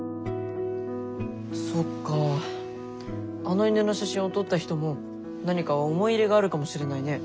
あの犬の写真を撮った人も何か思い入れがあるかもしれないね。